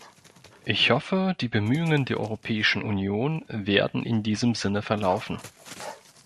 Ich hoffe, die Bemühungen der Europäischen Union werden in diesem Sinne verlaufen.